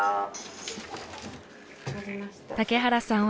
竹原さん